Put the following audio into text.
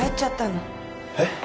えっ？